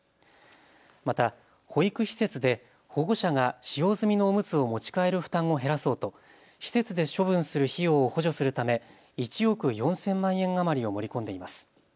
また保育施設で保護者が使用済みのおむつを持ち帰る負担を減らそうと施設で処分する費用を補助するため１億４０００万円余りを盛り込んでいます。